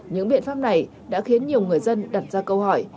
những biện pháp này đã khiến nhiều người dân đặt ra câu hỏi